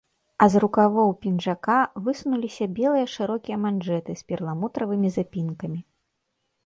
А з рукавоў пінжака высунуліся белыя шырокія манжэты з перламутравымі запінкамі.